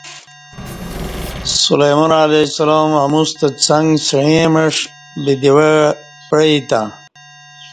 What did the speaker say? سلیمان علیہ السلام اموستہ څنگ سعیں معش بدوعہ پعی تں